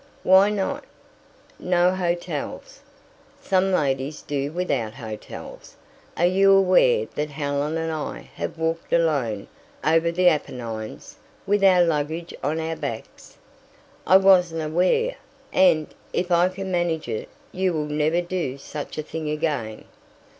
"Why not?" "No hotels." "Some ladies do without hotels. Are you aware that Helen and I have walked alone over the Apennines, with our luggage on our backs?" "I wasn't aware, and, if I can manage it, you will never do such a thing again."